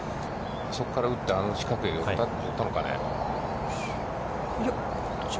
そこから打って、あの近くに寄ったのかね。